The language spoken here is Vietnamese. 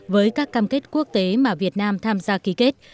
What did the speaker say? với các cam kết quốc tế mà việt nam tham gia ký kết